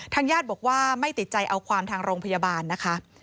ญาติบอกว่าไม่ติดใจเอาความทางโรงพยาบาลนะคะ